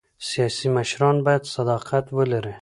سیاسي مشران باید صداقت ولري